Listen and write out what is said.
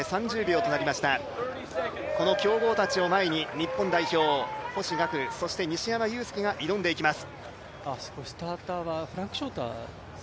この強豪たちを前に日本代表・星岳とそして西山雄介が挑んでいきます。